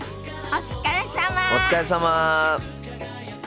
お疲れさま。